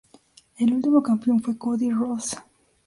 El último campeón fue Cody Rhodes.